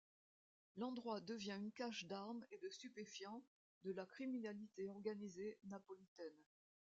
L'endroit devient une cache d'armes et de stupéfiants de la criminalité organisée napolitaine.